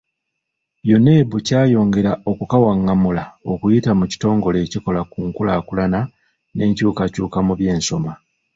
UNEB kyayongera okukawangamula okuyita mu kitongole ekikola ku nkulaakulana n’enkyukakyuka mu by’ensoma.